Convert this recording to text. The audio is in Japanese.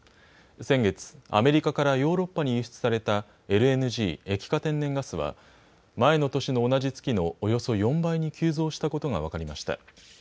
先月アメリカからヨーロッパに輸出されたＬＮＧ・液化天然ガスは前の年の同じ月のおよそ４倍に急増したことが分かりました。